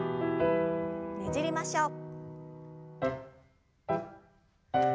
ねじりましょう。